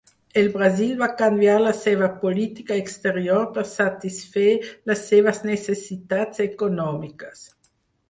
El Brasil va canviar la seva política exterior per satisfer les seves necessitats econòmiques.